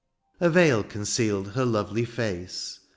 A veil concealed her lovely face.